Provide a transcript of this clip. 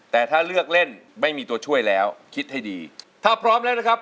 แต่ถ้าเลือกเล่นไม่มีตัวช่วยแล้วคิดให้ดีถ้าพร้อมแล้วนะครับ